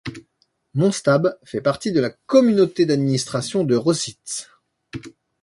Monstab fait partie de la Communauté d'administration de Rositz.